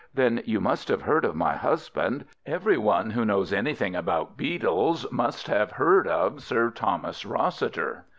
"Then you must have heard of my husband. Every one who knows anything about beetles must have heard of Sir Thomas Rossiter."